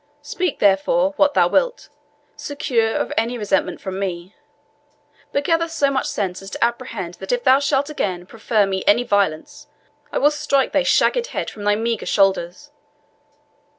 Speak, therefore, what thou wilt, secure of any resentment from me; but gather so much sense as to apprehend that if thou shalt again proffer me any violence, I will strike thy shagged head from thy meagre shoulders.